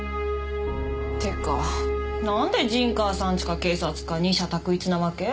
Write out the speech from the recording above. てかなんで陣川さんちか警察か二者択一なわけ？